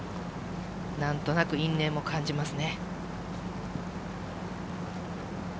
なんとなく因縁を感じますね。